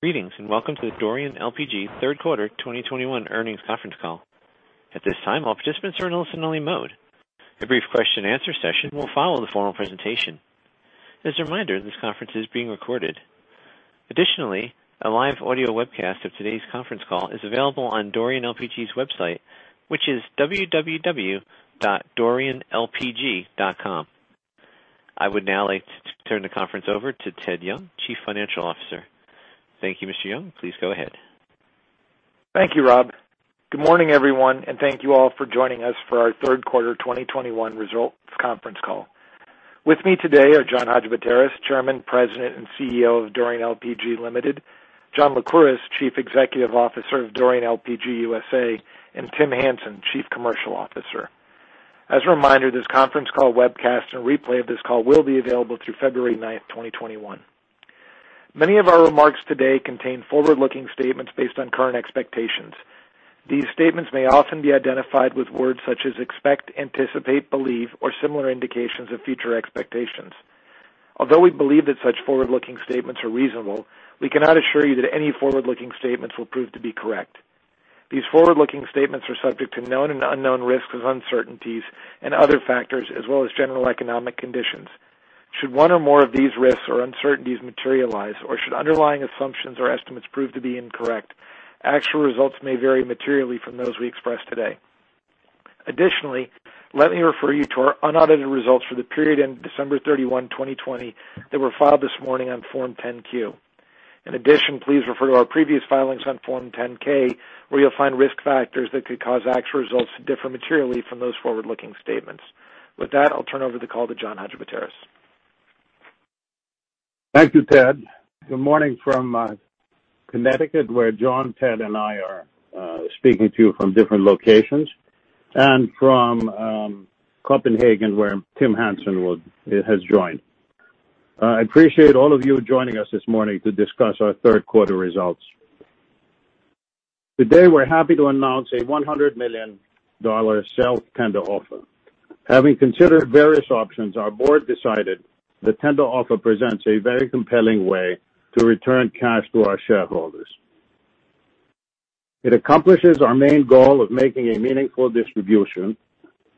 Greetings, and welcome to the Dorian LPG third quarter 2021 earnings conference call. At this time, all participants are in listen-only mode. A brief question and answer session will follow the formal presentation. As a reminder, this conference is being recorded. Additionally, a live audio webcast of today's conference call is available on Dorian LPG's website, which is www.dorianlpg.com. I would now like to turn the conference over to Ted Young, Chief Financial Officer. Thank you, Mr. Young. Please go ahead. Thank you, Rob. Good morning, everyone, and thank you all for joining us for our third quarter 2021 results conference call. With me today are John Hadjipateras, Chairman, President, and CEO of Dorian LPG Ltd., John Lycouris, Chief Executive Officer of Dorian LPG USA, and Tim Hansen, Chief Commercial Officer. As a reminder, this conference call webcast and replay of this call will be available through February 9, 2021. Many of our remarks today contain forward-looking statements based on current expectations. These statements may often be identified with words such as expect, anticipate, believe, or similar indications of future expectations. Although we believe that such forward-looking statements are reasonable, we cannot assure you that any forward-looking statements will prove to be correct. These forward-looking statements are subject to known and unknown risks and uncertainties and other factors as well as general economic conditions. Should one or more of these risks or uncertainties materialize or should underlying assumptions or estimates prove to be incorrect, actual results may vary materially from those we express today. Additionally, let me refer you to our unaudited results for the period ending December 31, 2020, that were filed this morning on Form 10-Q. In addition, please refer to our previous filings on Form 10-K, where you'll find risk factors that could cause actual results to differ materially from those forward-looking statements. With that, I'll turn over the call to John Hadjipateras. Thank you, Ted. Good morning from Connecticut, where John, Ted, and I are speaking to you from different locations. From Copenhagen, where Tim Hansen has joined. I appreciate all of you joining us this morning to discuss our third quarter results. Today, we're happy to announce a $100 million self-tender offer. Having considered various options, our board decided the tender offer presents a very compelling way to return cash to our shareholders. It accomplishes our main goal of making a meaningful distribution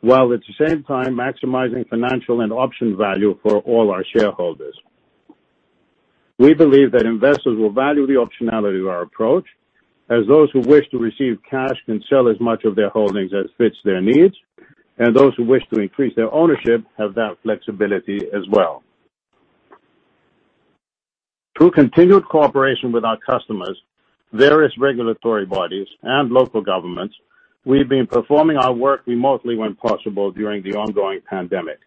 while at the same time maximizing financial and option value for all our shareholders. We believe that investors will value the optionality of our approach, as those who wish to receive cash can sell as much of their holdings as fits their needs, and those who wish to increase their ownership have that flexibility as well. Through continued cooperation with our customers, various regulatory bodies, and local governments, we've been performing our work remotely when possible during the ongoing pandemic.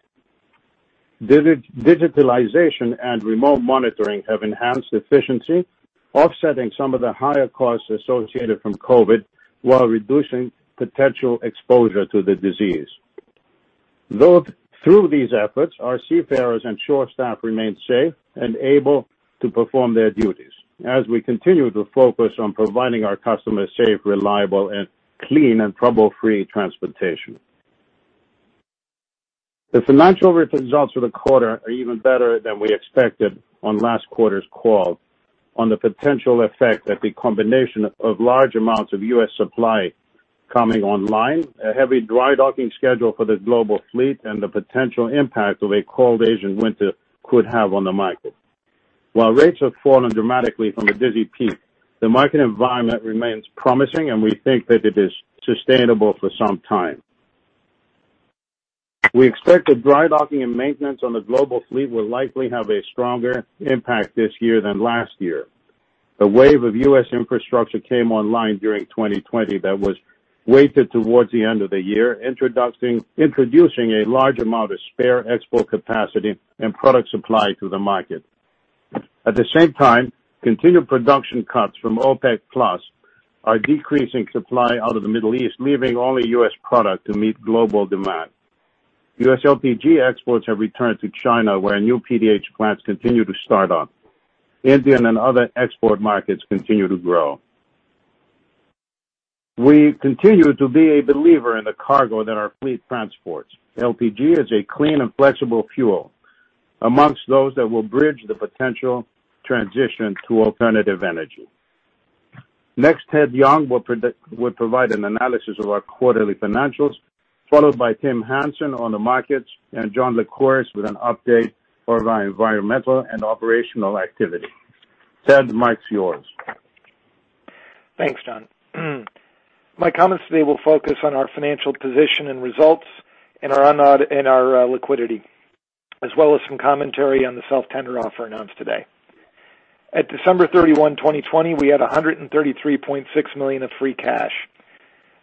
Digitalization and remote monitoring have enhanced efficiency, offsetting some of the higher costs associated from COVID while reducing potential exposure to the disease. Through these efforts, our seafarers and shore staff remain safe and able to perform their duties as we continue to focus on providing our customers safe, reliable, and clean and trouble-free transportation. The financial results for the quarter are even better than we expected on last quarter's call on the potential effect that the combination of large amounts of U.S. supply coming online, a heavy dry docking schedule for the global fleet, and the potential impact of a cold Asian winter could have on the market. While rates have fallen dramatically from the busy peak, the market environment remains promising, and we think that it is sustainable for some time. We expect that dry docking and maintenance on the global fleet will likely have a stronger impact this year than last year. A wave of U.S. infrastructure came online during 2020 that was weighted towards the end of the year, introducing a large amount of spare export capacity and product supply to the market. At the same time, continued production cuts from OPEC Plus are decreasing supply out of the Middle East, leaving only U.S. product to meet global demand. U.S. LPG exports have returned to China, where new PDH plants continue to start up. Indian and other export markets continue to grow. We continue to be a believer in the cargo that our fleet transports. LPG is a clean and flexible fuel amongst those that will bridge the potential transition to alternative energy. Next, Ted Young will provide an analysis of our quarterly financials, followed by Tim Hansen on the markets, and John Lycouris with an update for our environmental and operational activity. Ted, the mic's yours. Thanks, John. My comments today will focus on our financial position and results and our liquidity, as well as some commentary on the self-tender offer announced today. At December 31, 2020, we had $133.6 million of free cash.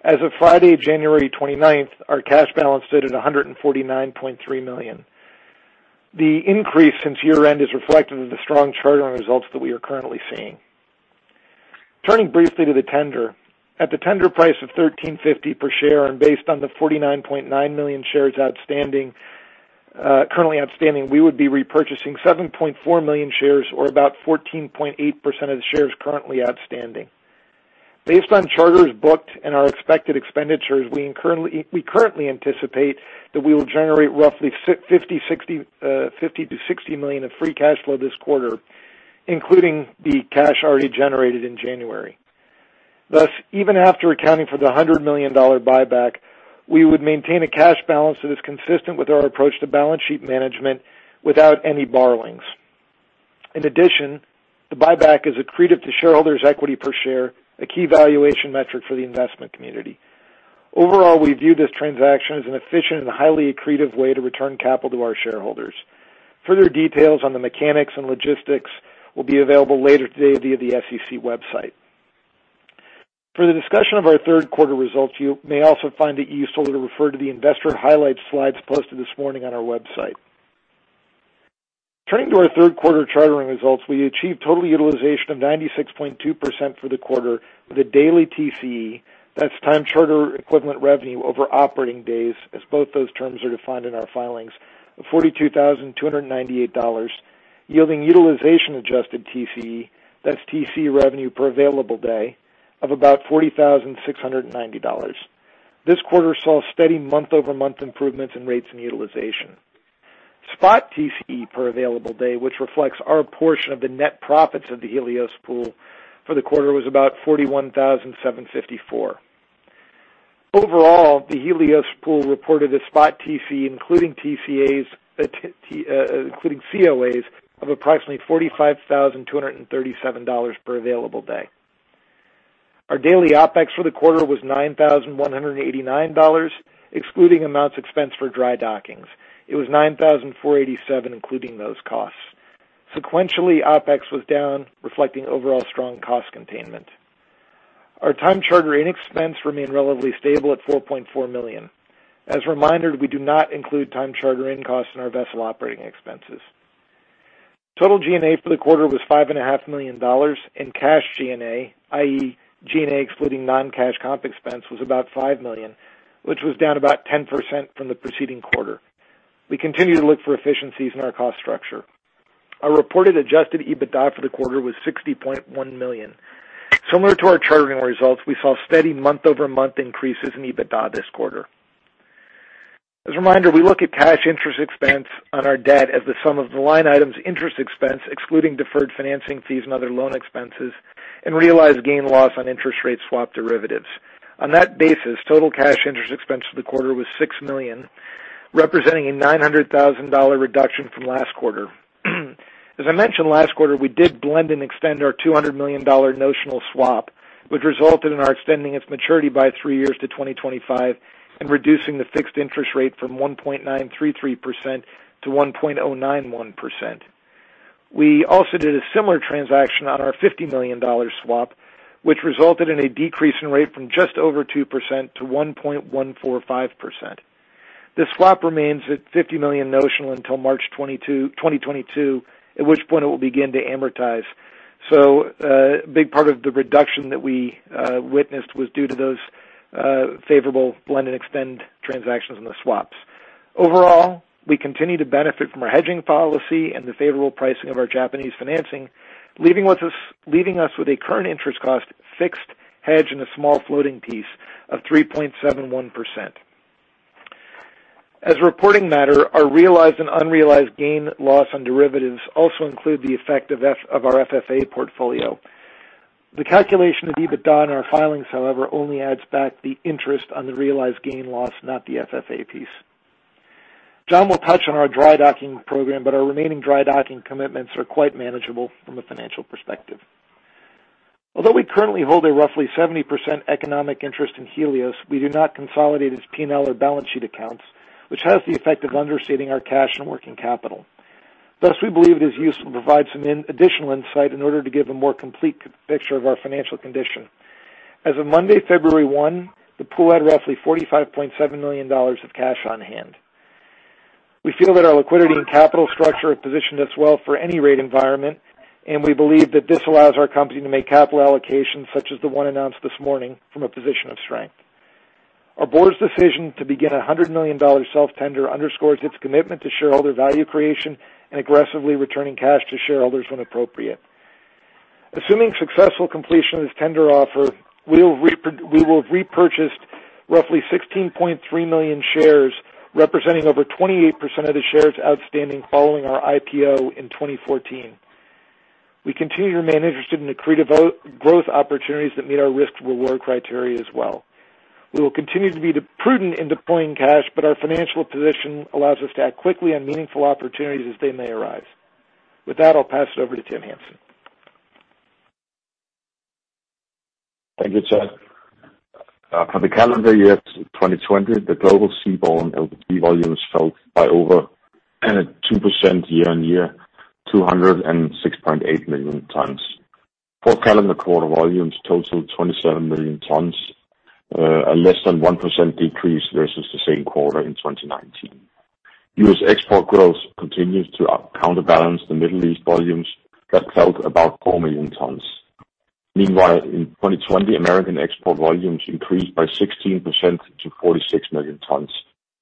As of Friday, January 29th, our cash balance stood at $149.3 million. The increase since year-end is reflective of the strong chartering results that we are currently seeing. Turning briefly to the tender. At the tender price of $13.50 per share and based on the 49.9 million shares currently outstanding, we would be repurchasing 7.4 million shares or about 14.8% of the shares currently outstanding. Based on charters booked and our expected expenditures, we currently anticipate that we will generate roughly $50 million-$60 million of free cash flow this quarter, including the cash already generated in January. Thus, even after accounting for the $100 million buyback, we would maintain a cash balance that is consistent with our approach to balance sheet management without any borrowings. In addition, the buyback is accretive to shareholders equity per share, a key valuation metric for the investment community. Overall, we view this transaction as an efficient and highly accretive way to return capital to our shareholders. Further details on the mechanics and logistics will be available later today via the SEC website. For the discussion of our third quarter results, you may also find it useful to refer to the investor highlights slides posted this morning on our website. Turning to our third-quarter chartering results, we achieved total utilization of 96.2% for the quarter with a daily TCE, that's Time Charter Equivalent revenue over operating days, as both those terms are defined in our filings, of $42,298, yielding utilization-adjusted TCE, that's TCE revenue per available day, of about $40,690. This quarter saw steady month-over-month improvements in rates and utilization. Spot TCE per available day, which reflects our portion of the net profits of the Helios pool for the quarter, was about $41,754. Overall, the Helios pool reported a spot TCE, including COAs of approximately $45,237 per available day. Our daily OpEx for the quarter was $9,189, excluding amounts expensed for dry dockings. It was $9,487 including those costs. Sequentially, OpEx was down, reflecting overall strong cost containment. Our time charter-in expense remained relatively stable at $4.4 million. As a reminder, we do not include time charter-in costs in our vessel operating expenses. Total G&A for the quarter was $5.5 million, and cash G&A, i.e., G&A excluding non-cash comp expense, was about $5 million, which was down about 10% from the preceding quarter. We continue to look for efficiencies in our cost structure. Our reported adjusted EBITDA for the quarter was $60.1 million. Similar to our chartering results, we saw steady month-over-month increases in EBITDA this quarter. As a reminder, we look at cash interest expense on our debt as the sum of the line items interest expense, excluding deferred financing fees and other loan expenses, and realized gain/loss on interest rate swap derivatives. On that basis, total cash interest expense for the quarter was $6 million, representing a $900,000 reduction from last quarter. As I mentioned last quarter, we did blend and extend our $200 million notional swap, which resulted in our extending its maturity by three years to 2025 and reducing the fixed interest rate from 1.933% to 1.091%. We also did a similar transaction on our $50 million swap, which resulted in a decrease in rate from just over 2% to 1.145%. This swap remains at $50 million notional until March 2022, at which point it will begin to amortize. A big part of the reduction that we witnessed was due to those favorable blend and extend transactions on the swaps. Overall, we continue to benefit from our hedging policy and the favorable pricing of our Japanese financing, leaving us with a current interest cost fixed hedge and a small floating piece of 3.71%. As a reporting matter, our realized and unrealized gain/loss on derivatives also include the effect of our FFA portfolio. The calculation of EBITDA in our filings, however, only adds back the interest on the realized gain/loss, not the FFA piece. John will touch on our dry docking program, but our remaining dry docking commitments are quite manageable from a financial perspective. Although we currently hold a roughly 70% economic interest in Helios, we do not consolidate its P&L or balance sheet accounts, which has the effect of understating our cash and working capital. We believe it is useful to provide some additional insight in order to give a more complete picture of our financial condition. As of Monday, February 1, the pool had roughly $45.7 million of cash on hand. We feel that our liquidity and capital structure have positioned us well for any rate environment, and we believe that this allows our company to make capital allocations such as the one announced this morning from a position of strength. Our board's decision to begin a $100 million self-tender underscores its commitment to shareholder value creation and aggressively returning cash to shareholders when appropriate. Assuming successful completion of this tender offer, we will have repurchased roughly 16.3 million shares, representing over 28% of the shares outstanding following our IPO in 2014. We continue to remain interested in accretive growth opportunities that meet our risk-reward criteria as well. We will continue to be prudent in deploying cash, but our financial position allows us to act quickly on meaningful opportunities as they may arise. With that, I'll pass it over to Tim Hansen. Thank you, Ted. For the calendar year 2020, the global seaborne LPG volumes fell by over 2% year-on-year, 206.8 million tons. Fourth calendar quarter volumes totaled 27 million tons, a less than 1% decrease versus the same quarter in 2019. U.S. export growth continues to counterbalance the Middle East volumes that fell about four million tons. Meanwhile, in 2020, American export volumes increased by 16% to 46 million tons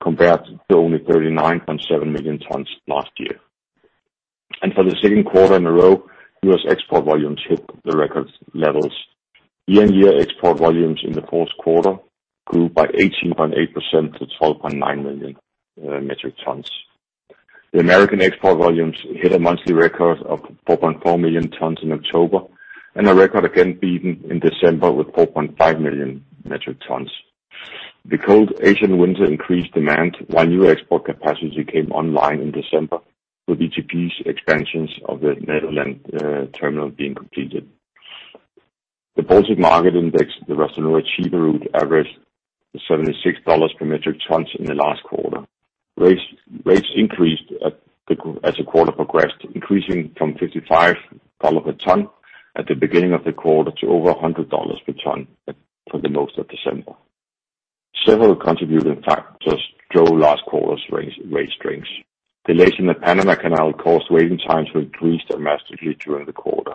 compared to only 39.7 million tons last year. For the second quarter in a row, U.S. export volumes hit the record levels. Year-on-year export volumes in the fourth quarter grew by 18.8% to 12.9 million metric tons. The American export volumes hit a monthly record of 4.4 million tons in October, and a record again beaten in December with 4.5 million metric tons. The cold Asian winter increased demand while new export capacity came online in December with VLGC expansions of the Netherlands terminal being completed. The Baltic LPG Index, the Ras Tanura-Chiba Route, averaged $76 per metric ton in the last quarter. Rates increased as the quarter progressed, increasing from $55 per ton at the beginning of the quarter to over $100 per ton for the most of December. Several contributing factors drove last quarter's rate strengths. Delays in the Panama Canal caused waiting times to increase dramatically during the quarter.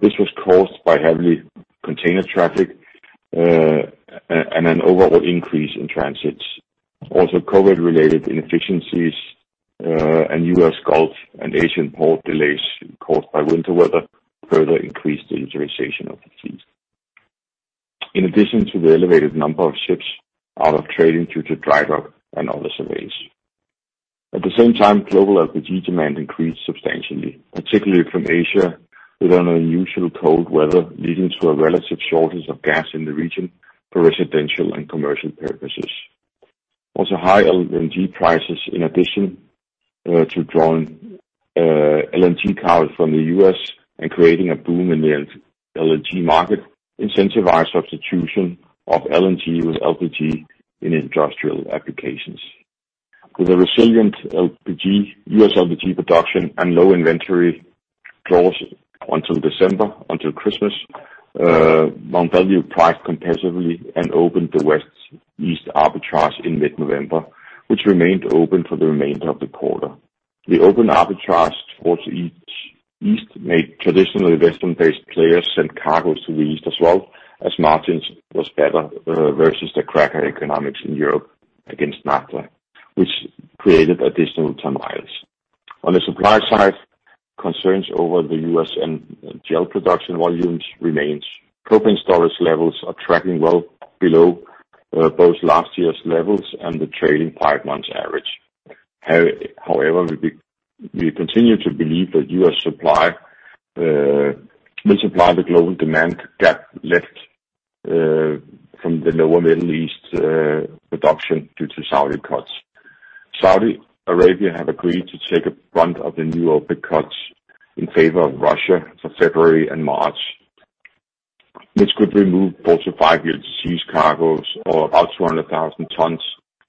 This was caused by heavy container traffic, and an overall increase in transits. COVID-related inefficiencies, and U.S. Gulf and Asian port delays caused by winter weather further increased the utilization of the fleet. In addition to the elevated number of ships out of trading due to drydock and other surveys. At the same time, global LPG demand increased substantially, particularly from Asia with unusual cold weather leading to a relative shortage of gas in the region for residential and commercial purposes. High LNG prices in addition to drawing LNG carriers from the U.S. and creating a boom in the LNG market, incentivized substitution of LNG with LPG in industrial applications. With a resilient U.S. LPG production and low inventory clause until December, until Christmas, Mont Belvieu priced competitively and opened the West-East arbitrage in mid-November, which remained open for the remainder of the quarter. The open arbitrage towards the East made traditionally Western-based players send cargoes to the East as well, as margins was better, versus the cracker economics in Europe against naphtha, which created additional ton miles. On the supply side, concerns over the U.S. shale production volumes remains. Propane storage levels are tracking well below both last year's levels and the trailing five-month average. However, we continue to believe that U.S. supply will supply the global demand gap left from the lower Middle East production due to Saudi cuts. Saudi Arabia have agreed to take a brunt of the new OPEC cuts in favor of Russia for February and March, which could remove close to these cargoes or about 200,000 tons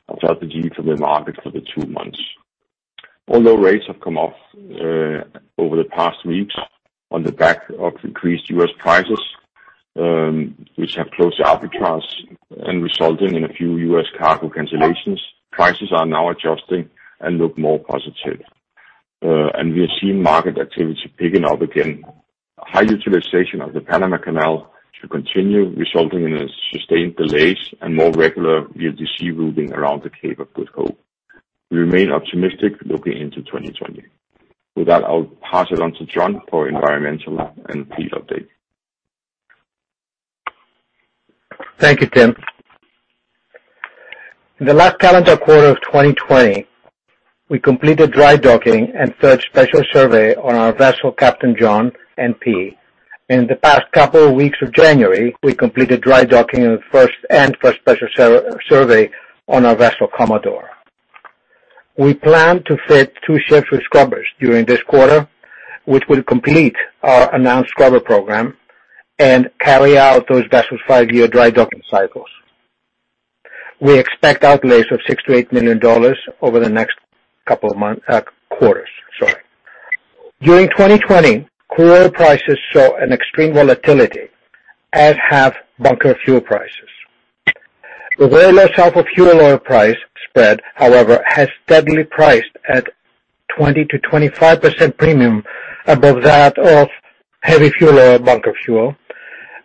of LPG from the market for the two months. Although rates have come off over the past weeks on the back of increased U.S. prices, which have closed the arbitrage and resulting in a few U.S. cargo cancellations, prices are now adjusting and look more positive. We are seeing market activity picking up again. High utilization of the Panama Canal should continue, resulting in sustained delays and more regular VLGC routing around the Cape of Good Hope. We remain optimistic looking into 2020. With that, I'll pass it on to John for environmental and fleet update. Thank you, Tim. In the last calendar quarter of 2020, we completed drydocking and third special survey on our vessel, Captain John NP. In the past couple of weeks of January, we completed drydocking and first special survey on our vessel, Commodore. We plan to fit two ships with scrubbers during this quarter, which will complete our announced scrubber program and carry out those vessels five-year dry docking cycles. We expect outlays of $6 million-$8 million over the next couple of months, quarters. Sorry. During 2020, crude oil prices saw an extreme volatility, as have bunker fuel prices. The very low sulfur fuel oil price spread, however, has steadily priced at 20%-25% premium above that of heavy fuel or bunker fuel.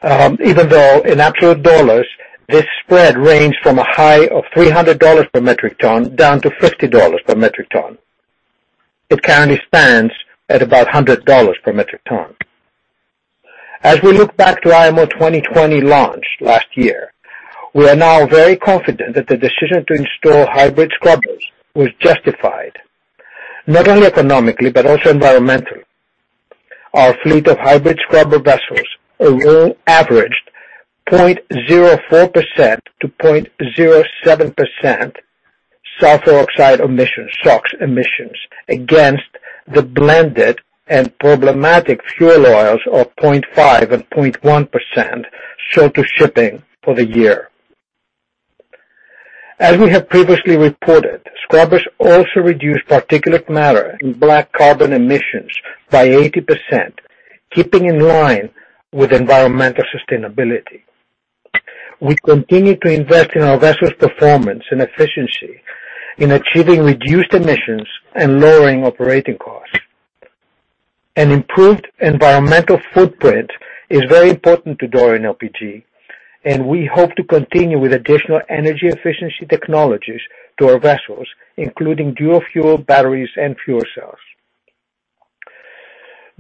Even though in absolute dollars, this spread ranged from a high of $300 per metric ton down to $50 per metric ton. It currently stands at about $100 per metric ton. We look back to IMO 2020 launch last year, we are now very confident that the decision to install hybrid scrubbers was justified, not only economically but also environmentally. Our fleet of hybrid scrubber vessels overall averaged 0.04% to 0.07% sulfur oxide emissions, SOx emissions, against the blended and problematic fuel oils of 0.5% and 0.1% sold to shipping for the year. We have previously reported, scrubbers also reduce particulate matter in black carbon emissions by 80%, keeping in line with environmental sustainability. We continue to invest in our vessels' performance and efficiency in achieving reduced emissions and lowering operating costs. An improved environmental footprint is very important to Dorian LPG. We hope to continue with additional energy efficiency technologies to our vessels, including dual fuel batteries and fuel cells.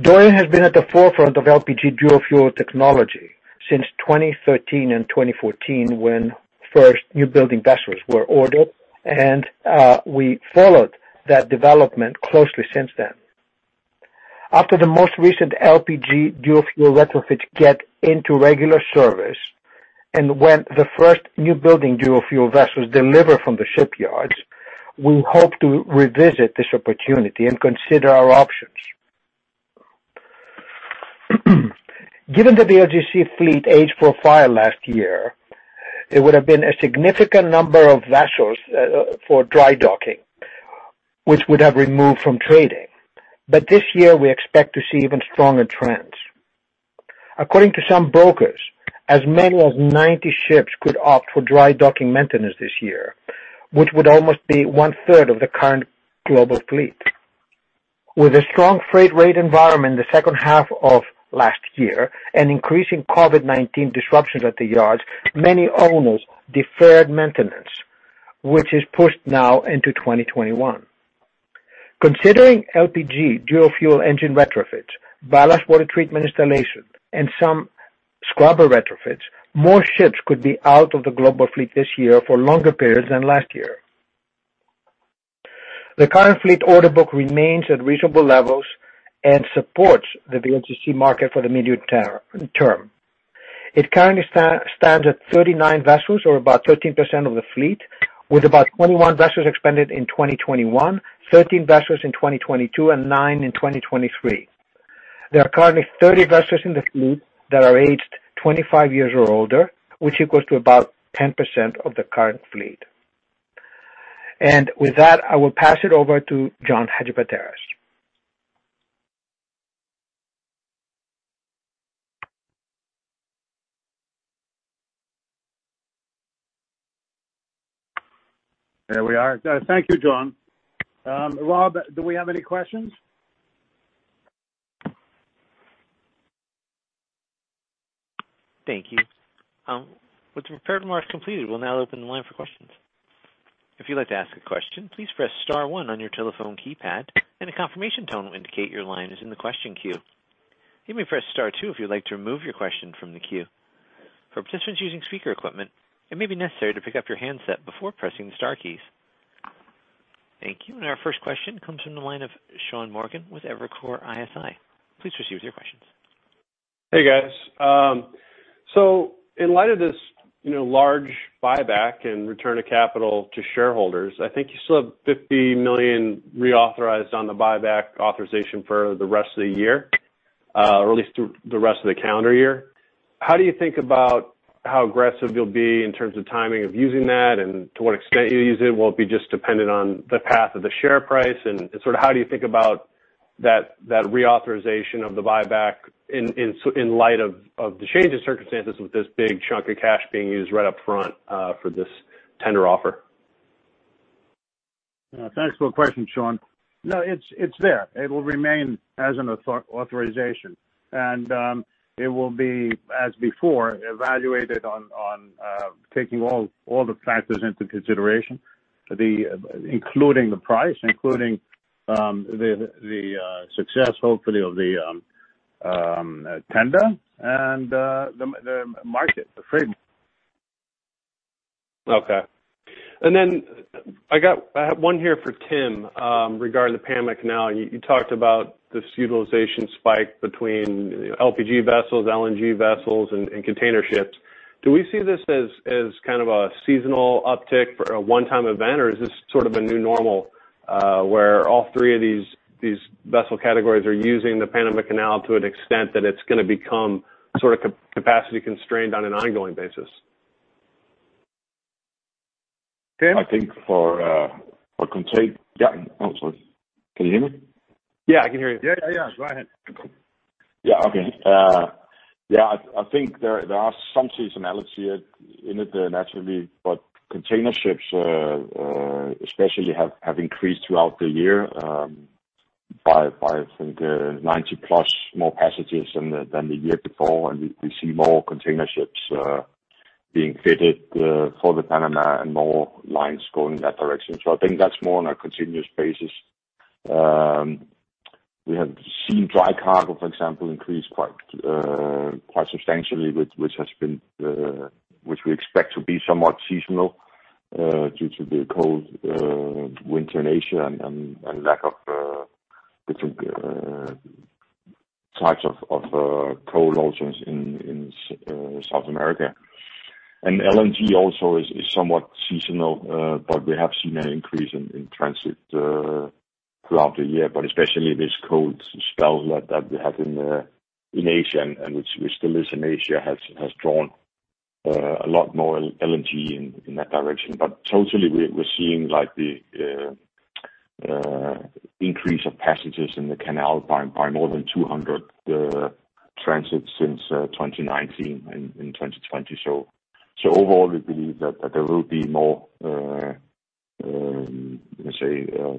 Dorian has been at the forefront of LPG dual fuel technology since 2013 and 2014, when first new building vessels were ordered. We followed that development closely since then. After the most recent LPG dual fuel retrofits get into regular service, and when the first new building dual fuel vessels deliver from the shipyards, we hope to revisit this opportunity and consider our options. Given that the VLGC fleet aged profile last year, it would have been a significant number of vessels for dry docking, which would have removed from trading. This year, we expect to see even stronger trends. According to some brokers, as many as 90 ships could opt for dry docking maintenance this year, which would almost be one-third of the current global fleet. With a strong freight rate environment in the second half of last year and increasing COVID-19 disruptions at the yards, many owners deferred maintenance, which is pushed now into 2021. Considering LPG, dual fuel engine retrofits, ballast water treatment installation, and some scrubber retrofits, more ships could be out of the global fleet this year for longer periods than last year. The current fleet order book remains at reasonable levels and supports the VLGC market for the medium term. It currently stands at 39 vessels or about 13% of the fleet, with about 21 vessels expected in 2021, 13 vessels in 2022, and nine in 2023. There are currently 30 vessels in the fleet that are aged 25 years or older, which equals to about 10% of the current fleet. With that, I will pass it over to John Hadjipateras. There we are. Thank you, John. Rob, do we have any questions? Thank you. With the prepared remarks completed, we'll now open the line for questions. If you like to ask a question, please press star one on your telephone keypad and a confirmation tone indicate your line is a question queue. You may press star two if you would like to remove your question from the queue. For assistance using speaker equipment and maybe necessary to pick up your handset before pressing the star keys. Thank you. Our first question comes from the line of Sean Morgan with Evercore ISI. Please proceed with your questions. Hey, guys. In light of this large buyback and return of capital to shareholders, I think you still have $50 million reauthorized on the buyback authorization for the rest of the year, or at least through the rest of the calendar year. How do you think about how aggressive you'll be in terms of timing of using that and to what extent you use it? Will it be just dependent on the path of the share price? Sort of how do you think about that reauthorization of the buyback in light of the change in circumstances with this big chunk of cash being used right up front for this tender offer? Thanks for the question, Sean. No, it's there. It will remain as an authorization, and it will be, as before, evaluated on taking all the factors into consideration, including the price, including the success, hopefully, of the tender and the market, the freight. Okay. I have one here for Tim regarding the Panama Canal. You talked about this utilization spike between LPG vessels, LNG vessels, and container ships. Do we see this as kind of a seasonal uptick for a one-time event, or is this sort of a new normal, where all three of these vessel categories are using the Panama Canal to an extent that it's going to become sort of capacity constrained on an ongoing basis? Tim? I think for, or can take, yeah. Oh, sorry. Can you hear me? Yeah, I can hear you. Yeah. Go ahead. Yeah. Okay. Yeah, I think there are some seasonality in it, naturally, but container ships, especially have increased throughout the year by, I think, 90-plus more passages than the year before. We see more container ships being fitted for the Panama and more lines going in that direction. I think that's more on a continuous basis. We have seen dry cargo, for example, increase quite substantially, which we expect to be somewhat seasonal due to the cold winter in Asia and lack of different types of cold cargoes in South America. LNG also is somewhat seasonal. We have seen an increase in transit throughout the year, but especially this cold spell that we have in Asia and which still is in Asia, has drawn a lot more LNG in that direction. Totally, we're seeing the increase of passages in the canal by more than 200 transits since 2019 and in 2020. Overall, we believe that there will be more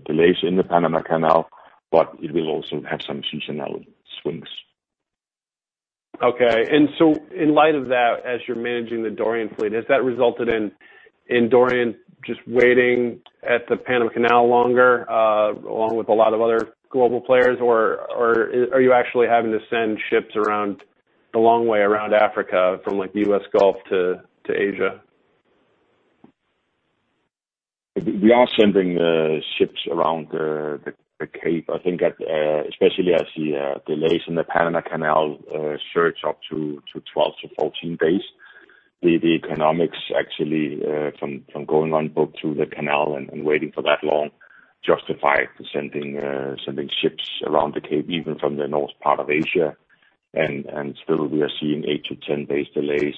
delays in the Panama Canal, but it will also have some seasonality swings. In light of that, as you're managing the Dorian fleet, has that resulted in Dorian just waiting at the Panama Canal longer, along with a lot of other global players, or are you actually having to send ships the long way around Africa from the U.S. Gulf to Asia? We are sending ships around the Cape. I think, especially as the delays in the Panama Canal surge up to 12 to 14 days, the economics actually, from going on both through the canal and waiting for that long, justify sending ships around the Cape, even from the north part of Asia. Still we are seeing 8 to 10 days delays,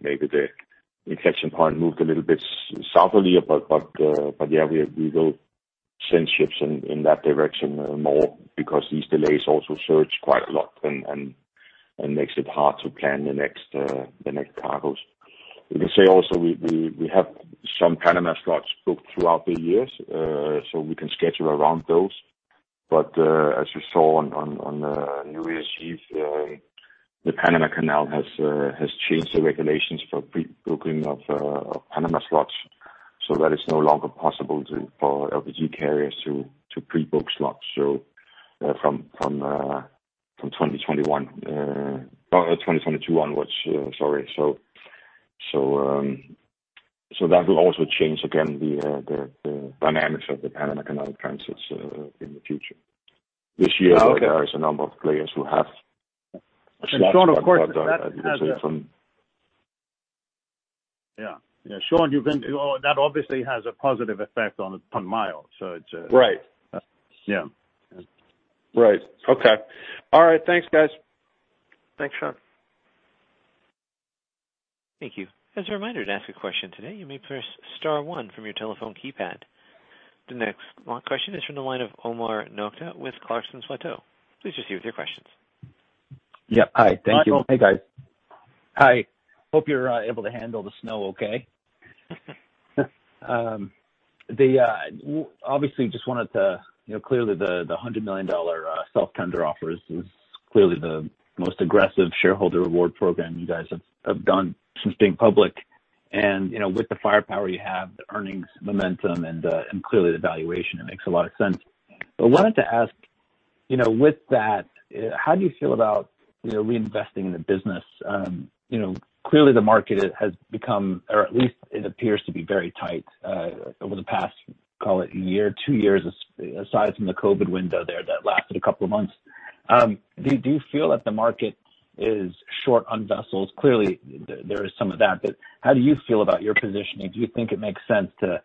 maybe the inflection point moved a little bit southerly. Yeah, we will send ships in that direction more because these delays also surge quite a lot, and makes it hard to plan the next cargoes. We can say also, we have some Panama slots booked throughout the years, we can schedule around those. As you saw on New Year's Eve, the Panama Canal has changed the regulations for pre-booking of Panama slots, so that is no longer possible for LPG carriers to pre-book slots from 2021, 2022 onwards, sorry. That will also change, again, the dynamics of the Panama Canal transits in the future. This year. Okay. There is a number of players who have Yeah. Sean, that obviously has a positive effect on mile. Right. Yeah. Right. Okay. All right. Thanks, guys. Thanks, Sean. Thank you. As a reminder, to ask a question today, you may press star one from your telephone keypad. The next question is from the line of Omar Nokta with Clarksons Platou. Please proceed with your questions. Yeah. Hi. Thank you. Hey, guys. Hi. Hope you're able to handle the snow okay. Obviously, Clearly, the $100 million self-tender offer is clearly the most aggressive shareholder reward program you guys have done since being public. With the firepower you have, the earnings momentum, and clearly the valuation, it makes a lot of sense. Wanted to ask, with that, how do you feel about reinvesting in the business? Clearly, the market has become, or at least it appears to be very tight over the past, call it one year, two years, aside from the COVID window there that lasted a two months. Do you feel that the market is short on vessels? Clearly, there is some of that, but how do you feel about your positioning? Do you think it makes sense to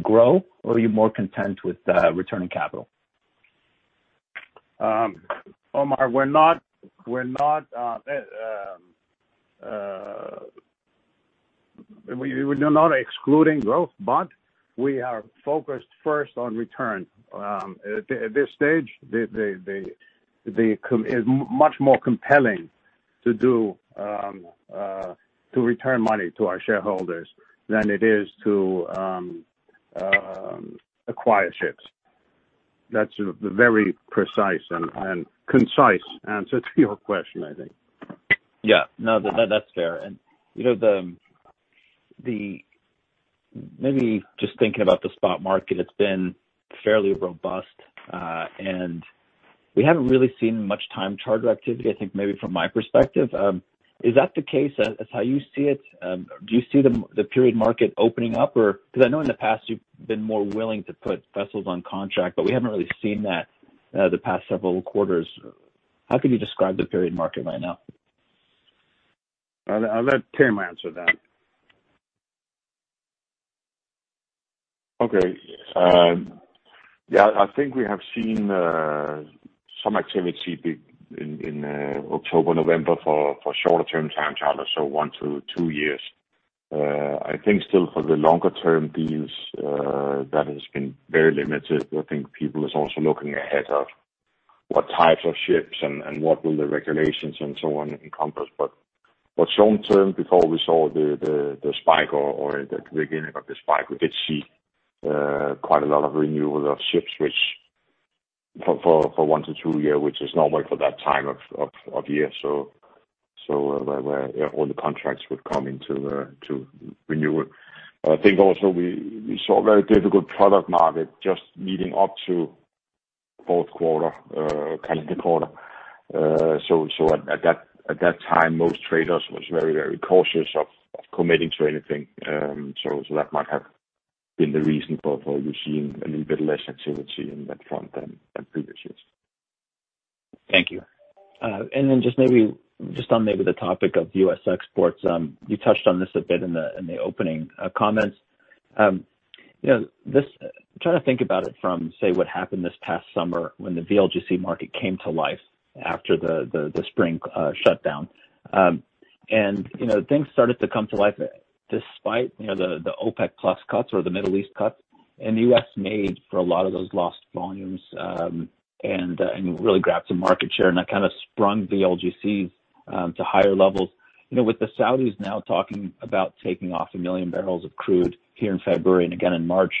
grow, or are you more content with returning capital? Omar, we're not excluding growth, but we are focused first on return. At this stage, it is much more compelling to return money to our shareholders than it is to acquire ships. That's the very precise and concise answer to your question, I think. Yeah. No, that's fair. Maybe just thinking about the spot market, it's been fairly robust, and we haven't really seen much time charter activity, I think maybe from my perspective. Is that the case? That's how you see it? Do you see the period market opening up? I know in the past you've been more willing to put vessels on contract, but we haven't really seen that the past several quarters. How could you describe the period market right now? I'll let Tim answer that. Okay. Yeah, I think we have seen some activity in October, November for shorter term time charters, so one to two years. I think still for the longer-term deals, that has been very limited. I think people is also looking ahead of what types of ships and what will the regulations and so on encompass. Short-term, before we saw the spike or the beginning of the spike, we did see quite a lot of renewal of ship switch for one to two year, which is normal for that time of year. Where all the contracts would come into renewal. I think also we saw a very difficult product market just leading up to fourth quarter, calendar quarter. At that time, most traders was very cautious of committing to anything. That might have been the reason for we're seeing a little bit less activity in that front than previous years. Thank you. Then just on maybe the topic of U.S. exports, you touched on this a bit in the opening comments. Trying to think about it from, say, what happened this past summer when the VLGC market came to life after the spring shutdown. Things started to come to life despite the OPEC Plus cuts or the Middle East cuts, and the U.S. made for a lot of those lost volumes, and really grabbed some market share, and that kind of sprung VLGCs to higher levels. With the Saudis now talking about taking off 1 million barrels of crude here in February and again in March,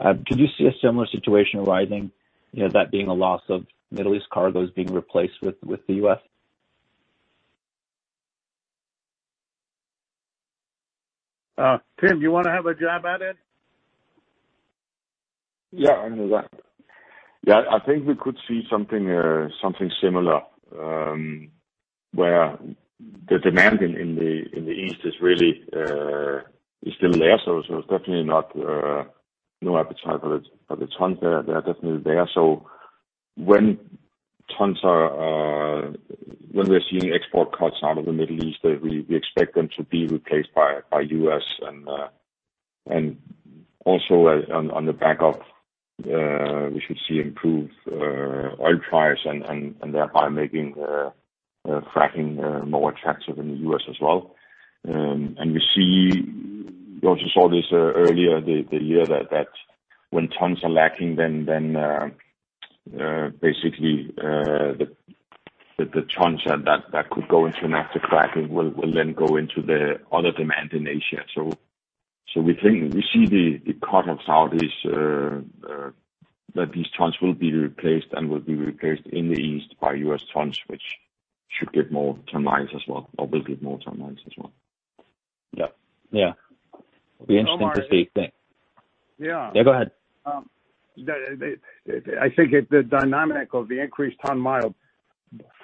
could you see a similar situation arising, that being a loss of Middle East cargoes being replaced with the U.S.? Tim, do you want to have a jab at it? I can do that. I think we could see something similar, where the demand in the East is still there, so there's definitely no appetite for the tons there. They are definitely there. When we're seeing export cuts out of the Middle East, we expect them to be replaced by U.S., and also on the back of, we should see improved oil prices and thereby making fracking more attractive in the U.S. as well. We also saw this earlier this year that when tons are lacking, then basically, the tons that could go into LPG cracking will then go into the other demand in Asia. We think we see the cut of Saudis, that these tons will be replaced and will be replaced in the East by U.S. tons, which should give more ton-miles as well, or will give more ton-miles as well. Yeah. It'll be interesting to see. Omar. Yeah. Yeah. Yeah, go ahead. I think the dynamic of the increased ton mile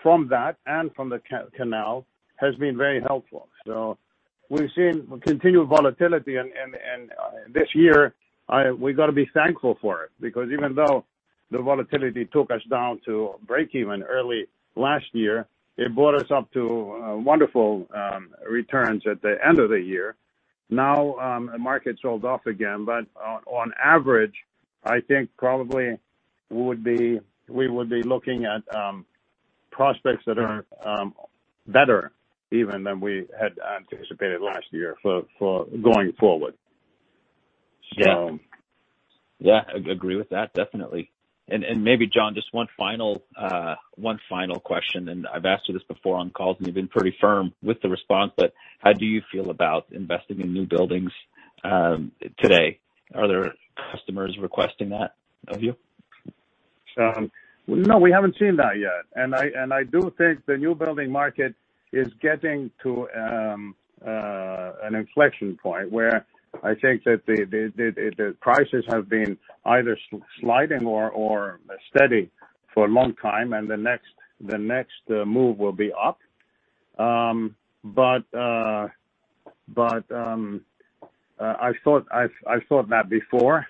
from that and from the canal has been very helpful. We've seen continued volatility, and this year, we've got to be thankful for it, because even though the volatility took us down to breakeven early last year, it brought us up to wonderful returns at the end of the year. Now, the market's sold off again. On average, I think probably, we would be looking at prospects that are better even than we had anticipated last year for going forward. Yeah. I agree with that, definitely. Maybe, John, just one final question, and I've asked you this before on calls, and you've been pretty firm with the response, but how do you feel about investing in newbuildings today? Are there customers requesting that of you? No, we haven't seen that yet. I do think the newbuilding market is getting to an inflection point where I think that the prices have been either sliding or steady for a long time, and the next move will be up. I thought that before.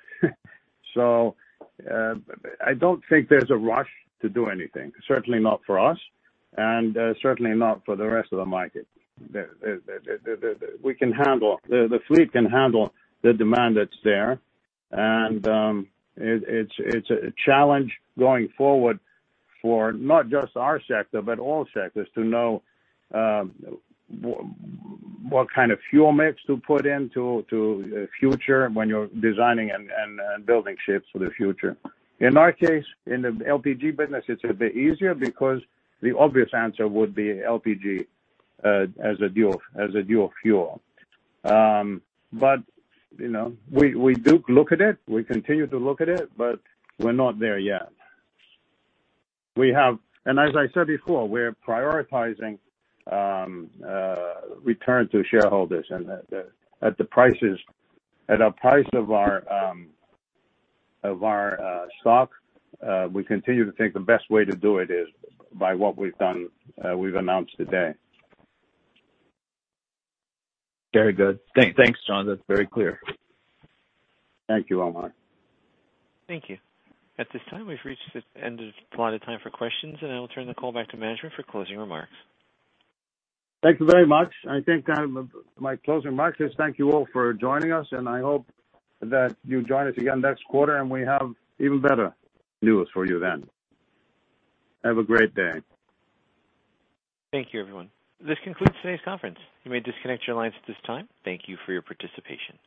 I don't think there's a rush to do anything. Certainly not for us, certainly not for the rest of the market. The fleet can handle the demand that's there. It's a challenge going forward for not just our sector, but all sectors to know what kind of fuel mix to put in to the future when you're designing and building ships for the future. In our case, in the LPG business, it's a bit easier because the obvious answer would be LPG as a dual fuel. We do look at it. We continue to look at it, we're not there yet. As I said before, we're prioritizing returns to shareholders, and at the price of our stock, we continue to think the best way to do it is by what we've done, we've announced today. Very good. Thanks. Thanks, John. That's very clear. Thank you, Omar. Thank you. At this time, we've reached the end of the allotted time for questions, and I will turn the call back to management for closing remarks. Thank you very much. I think my closing remarks is thank you all for joining us, and I hope that you join us again next quarter, and we have even better news for you then. Have a great day. Thank you, everyone. This concludes today's conference. You may disconnect your lines at this time. Thank you for your participation.